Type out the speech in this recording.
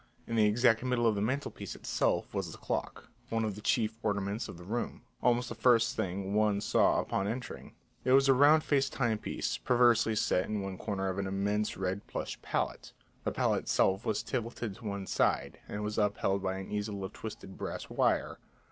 In the exact middle of the mantelpiece itself was the clock, one of the chief ornaments of the room, almost the first thing one saw upon entering; it was a round faced timepiece perversely set in one corner of an immense red plush palette; the palette itself was tilted to one side, and was upheld by an easel of twisted brass wire.